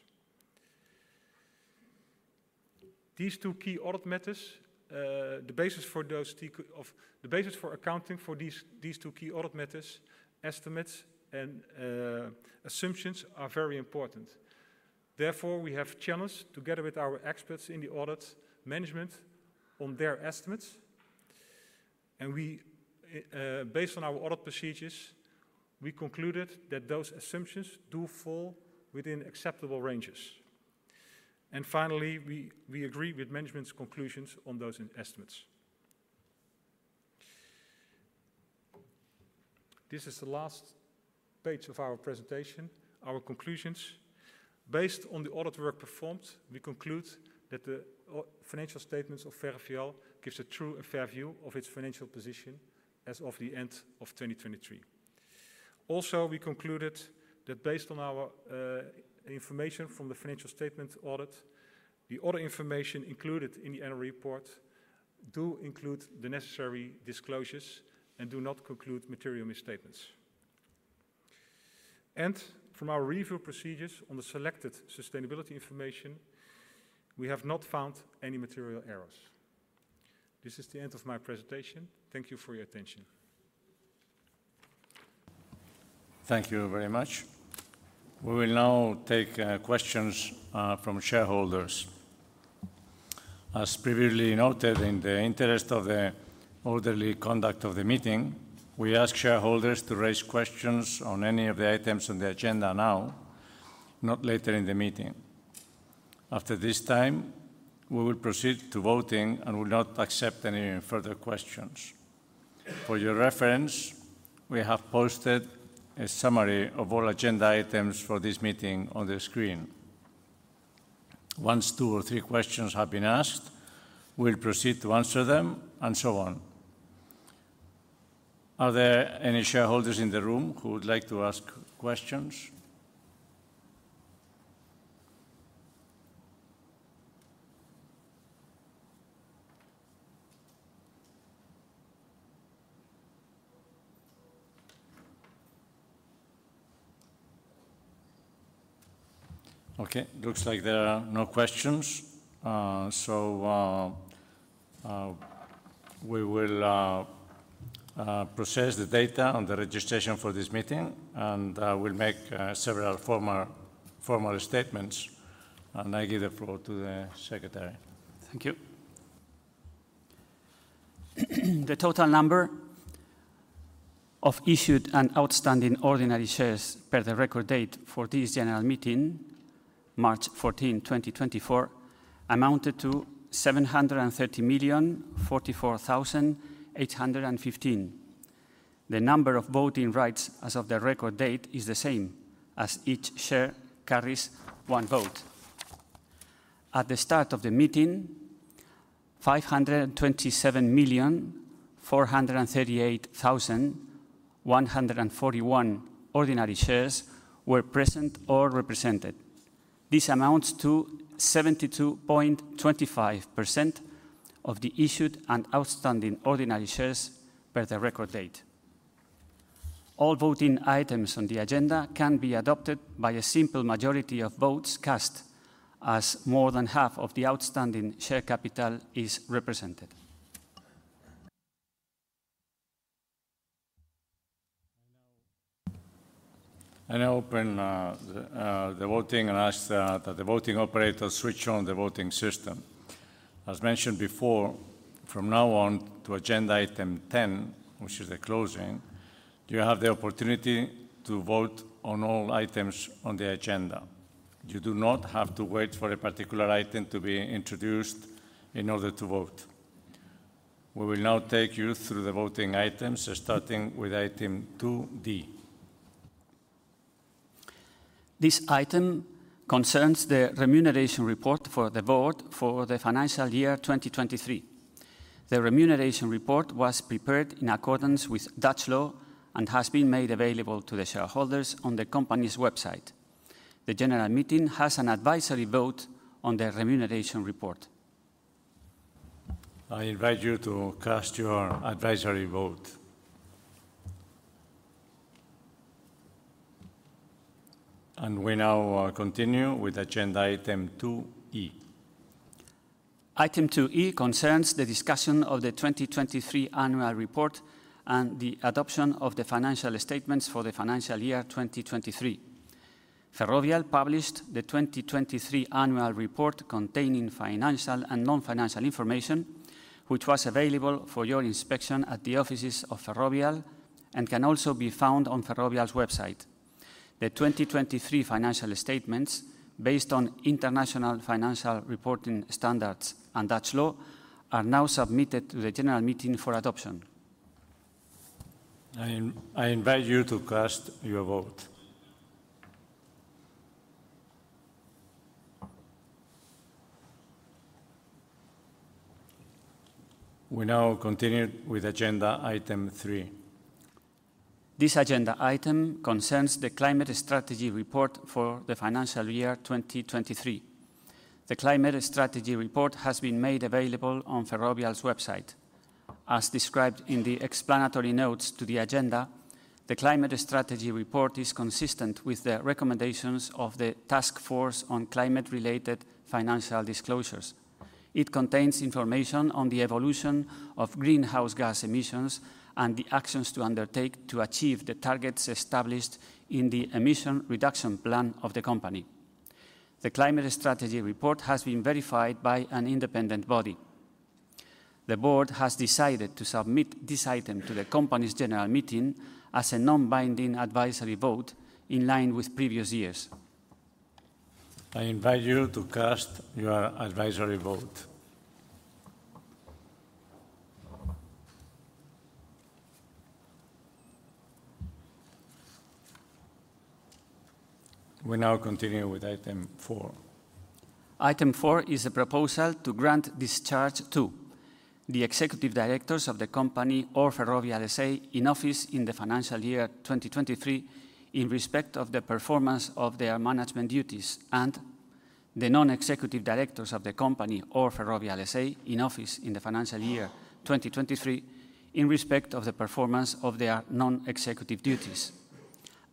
These two key audit matters, the basis for those of the basis for accounting for these two key audit matters, estimates and assumptions are very important. Therefore, we have challenged, together with our experts in the audit management, on their estimates, and we, based on our audit procedures, we concluded that those assumptions do fall within acceptable ranges. Finally, we agree with management's conclusions on those estimates. This is the last page of our presentation, our conclusions. Based on the audit work performed, we conclude that the financial statements of Ferrovial give a true and fair view of its financial position as of the end of 2023. Also, we concluded that based on our information from the financial statement audit, the audit information included in the annual report does include the necessary disclosures and does not conclude material misstatements. From our review procedures on the selected sustainability information, we have not found any material errors. This is the end of my presentation. Thank you for your attention. Thank you very much. We will now take questions from shareholders. As previously noted, in the interest of the orderly conduct of the meeting, we ask shareholders to raise questions on any of the items on the agenda now, not later in the meeting. After this time, we will proceed to voting and will not accept any further questions. For your reference, we have posted a summary of all agenda items for this meeting on the screen. Once two or three questions have been asked, we will proceed to answer them and so on. Are there any shareholders in the room who would like to ask questions? Okay. It looks like there are no questions. So we will process the data on the registration for this meeting, and we will make several formal statements, and I give the floor to the Secretary. Thank you. The total number of issued and outstanding ordinary shares per the record date for this general meeting, March 14, 2024, amounted to 730,044,815. The number of voting rights as of the record date is the same as each share carries one vote. At the start of the meeting, 527,438,141 ordinary shares were present or represented. This amounts to 72.25% of the issued and outstanding ordinary shares per the record date. All voting items on the agenda can be adopted by a simple majority of votes cast as more than half of the outstanding share capital is represented. I now open the voting and ask that the voting operators switch on the voting system. As mentioned before, from now on, to agenda item 10, which is the closing, you have the opportunity to vote on all items on the agenda. You do not have to wait for a particular item to be introduced in order to vote. We will now take you through the voting items, starting with item 2D. This item concerns the remuneration report for the board for the financial year 2023. The remuneration report was prepared in accordance with Dutch law and has been made available to the shareholders on the company's website. The general meeting has an advisory vote on the remuneration report. I invite you to cast your advisory vote. We now continue with agenda item 2E. Item 2E concerns the discussion of the 2023 annual report and the adoption of the financial statements for the financial year 2023. Ferrovial published the 2023 annual report containing financial and non-financial information, which was available for your inspection at the offices of Ferrovial and can also be found on Ferrovial's website. The 2023 financial statements, based on international financial reporting standards and Dutch law, are now submitted to the general meeting for adoption. I invite you to cast your vote. We now continue with agenda item 3E. This agenda item concerns the climate strategy report for the financial year 2023. The climate strategy report has been made available on Ferrovial's website. As described in the explanatory notes to the agenda, the climate strategy report is consistent with the recommendations of the Task Force on Climate-related Financial Disclosures. It contains information on the evolution of greenhouse gas emissions and the actions to undertake to achieve the targets established in the emission reduction plan of the company. The climate strategy report has been verified by an independent body. The board has decided to submit this item to the company's general meeting as a non-binding advisory vote in line with previous years. I invite you to cast your advisory vote. We now continue with item 4E. Item 4E is a proposal to grant discharge to: the executive directors of the company or Ferrovial S.A. in office in the financial year 2023 in respect of the performance of their management duties, and the non-executive directors of the company or Ferrovial S.A. in office in the financial year 2023 in respect of the performance of their non-executive duties.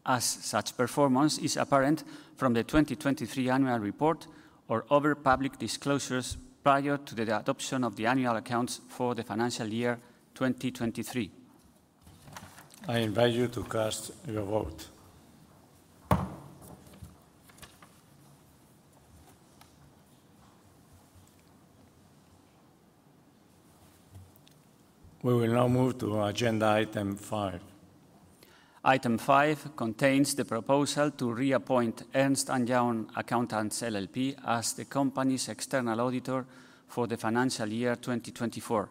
As such performance is apparent from the 2023 annual report or other public disclosures prior to the adoption of the annual accounts for the financial year 2023. I invite you to cast your vote. We will now move to agenda item 5E. Item 5E contains the proposal to reappoint Ernst & Young Accountants LLP as the company's external auditor for the financial year 2024.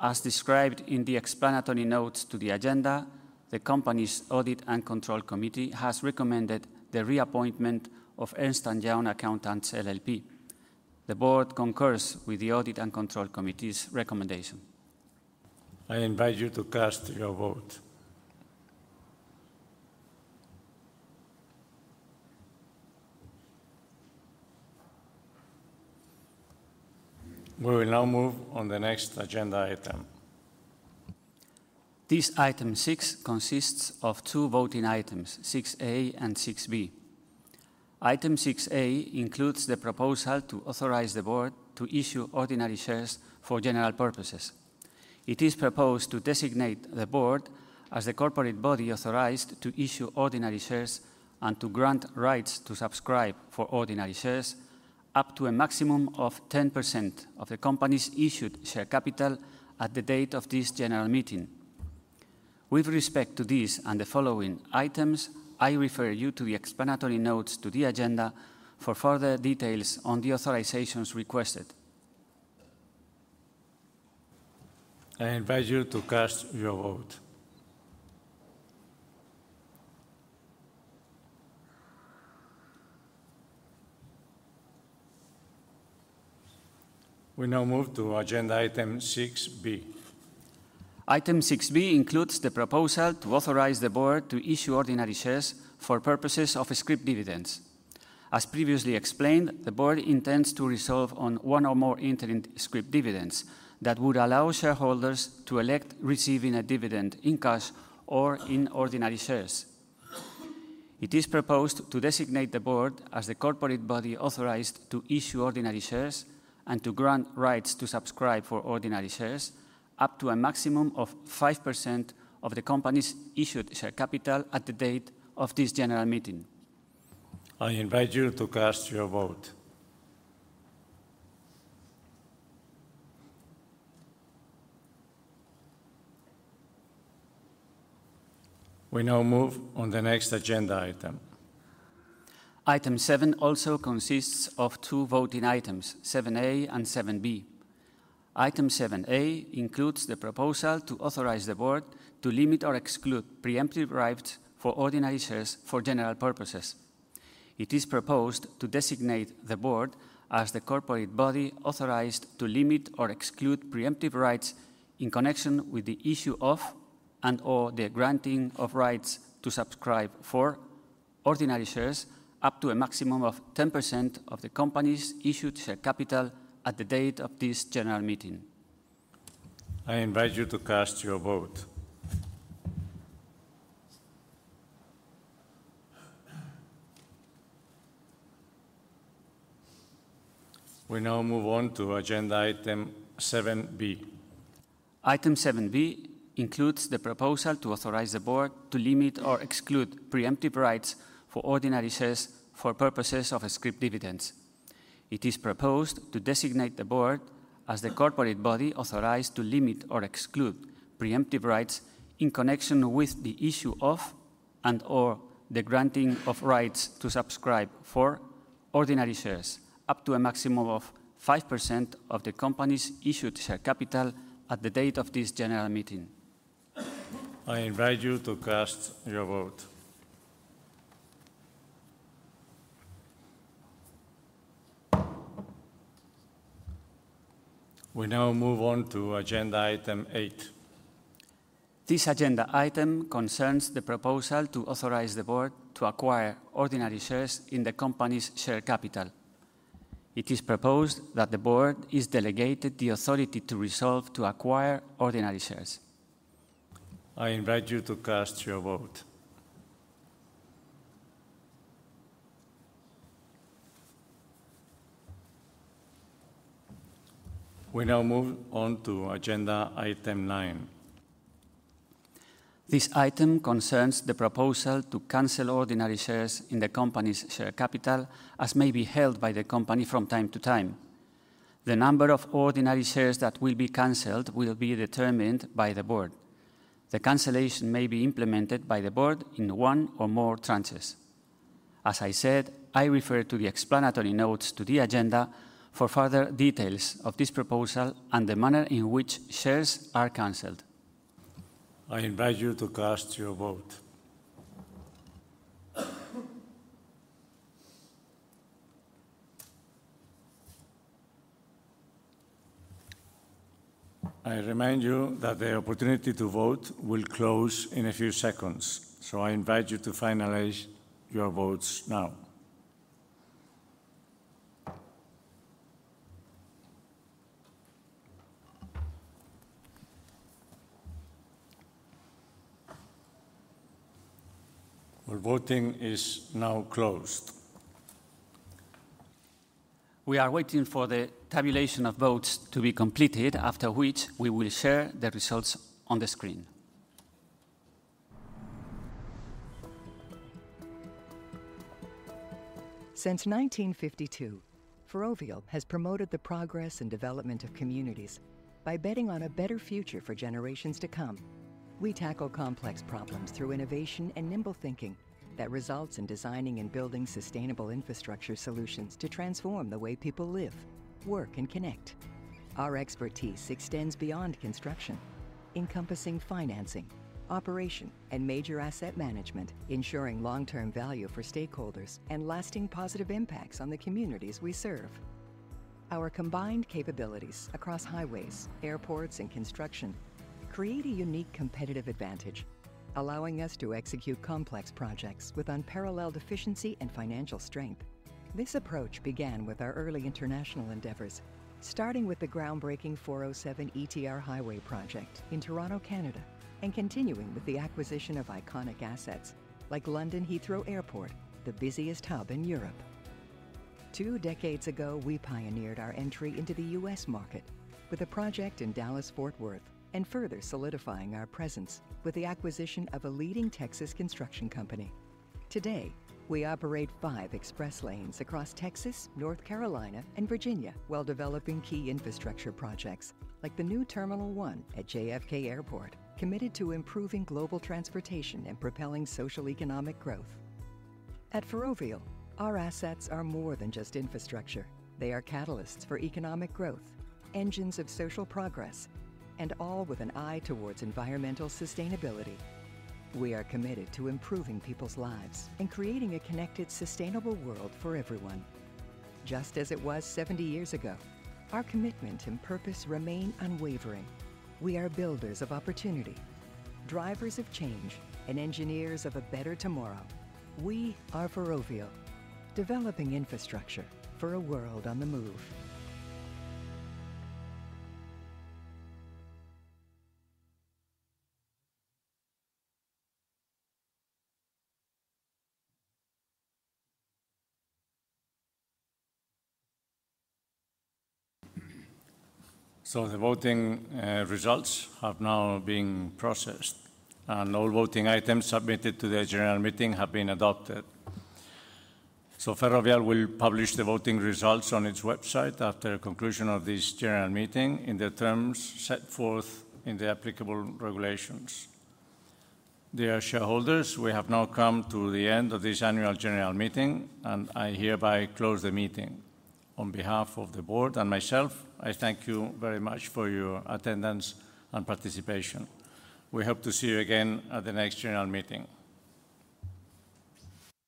As described in the explanatory notes to the agenda, the company's audit and control committee has recommended the reappointment of Ernst & Young Accountants LLP. The board concurs with the audit and control committee's recommendation. I invite you to cast your vote. We will now move on the next agenda item. This item 6E consists of two voting items, 6A and 6B. Item 6A includes the proposal to authorize the board to issue ordinary shares for general purposes. It is proposed to designate the board as the corporate body authorized to issue ordinary shares and to grant rights to subscribe for ordinary shares up to a maximum of 10% of the company's issued share capital at the date of this general meeting. With respect to these and the following items, I refer you to the explanatory notes to the agenda for further details on the authorizations requested. I invite you to cast your vote. We now move to agenda item 6B. Item 6B includes the proposal to authorize the board to issue ordinary shares for purposes of scrip dividends. As previously explained, the board intends to resolve on one or more interim scrip dividends that would allow shareholders to elect receiving a dividend in cash or in ordinary shares. It is proposed to designate the board as the corporate body authorized to issue ordinary shares and to grant rights to subscribe for ordinary shares up to a maximum of 5% of the company's issued share capital at the date of this general meeting. I invite you to cast your vote. We now move on the next agenda item. Item 7E also consists of two voting items, 7A and 7B. Item 7A includes the proposal to authorize the board to limit or exclude preemptive rights for ordinary shares for general purposes. It is proposed to designate the board as the corporate body authorized to limit or exclude preemptive rights in connection with the issue of and/or the granting of rights to subscribe for ordinary shares up to a maximum of 10% of the company's issued share capital at the date of this general meeting. I invite you to cast your vote. We now move on to agenda item 7B. Item 7B includes the proposal to authorize the board to limit or exclude preemptive rights for ordinary shares for purposes of scrip dividends. It is proposed to designate the board as the corporate body authorized to limit or exclude preemptive rights in connection with the issue of and/or the granting of rights to subscribe for ordinary shares up to a maximum of 5% of the company's issued share capital at the date of this general meeting. I invite you to cast your vote. We now move on to agenda item 8E. This agenda item concerns the proposal to authorize the board to acquire ordinary shares in the company's share capital. It is proposed that the board is delegated the authority to resolve to acquire ordinary shares. I invite you to cast your vote. We now move on to agenda item 9E. This item concerns the proposal to cancel ordinary shares in the company's share capital as may be held by the company from time to time. The number of ordinary shares that will be canceled will be determined by the board. The cancellation may be implemented by the board in one or more tranches. As I said, I refer to the explanatory notes to the agenda for further details of this proposal and the manner in which shares are canceled. I invite you to cast your vote. I remind you that the opportunity to vote will close in a few seconds, so I invite you to finalize your votes now. Well, voting is now closed. We are waiting for the tabulation of votes to be completed, after which we will share the results on the screen. Since 1952, Ferrovial has promoted the progress and development of communities by betting on a better future for generations to come. We tackle complex problems through innovation and nimble thinking that results in designing and building sustainable infrastructure solutions to transform the way people live, work, and connect. Our expertise extends beyond construction, encompassing financing, operation, and major asset management, ensuring long-term value for stakeholders and lasting positive impacts on the communities we serve. Our combined capabilities across highways, airports, and construction create a unique competitive advantage, allowing us to execute complex projects with unparalleled efficiency and financial strength. This approach began with our early international endeavors, starting with the groundbreaking 407 ETR Highway project in Toronto, Canada, and continuing with the acquisition of iconic assets like London Heathrow Airport, the busiest hub in Europe. Two decades ago, we pioneered our entry into the U.S. Market with a project in Dallas, Fort Worth, and further solidifying our presence with the acquisition of a leading Texas construction company. Today, we operate five express lanes across Texas, North Carolina, and Virginia while developing key infrastructure projects like the new Terminal one at JFK Airport, committed to improving global transportation and propelling socioeconomic growth. At Ferrovial, our assets are more than just infrastructure. They are catalysts for economic growth, engines of social progress, and all with an eye towards environmental sustainability. We are committed to improving people's lives and creating a connected, sustainable world for everyone. Just as it was 70 years ago, our commitment and purpose remain unwavering. We are builders of opportunity, drivers of change, and engineers of a better tomorrow. We are Ferrovial, developing infrastructure for a world on the move. The voting results have now been processed, and all voting items submitted to the general meeting have been adopted. Ferrovial will publish the voting results on its website after the conclusion of this general meeting in the terms set forth in the applicable regulations. Dear shareholders, we have now come to the end of this annual general meeting, and I hereby close the meeting. On behalf of the board and myself, I thank you very much for your attendance and participation. We hope to see you again at the next general meeting.